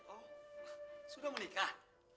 oh sudah menikah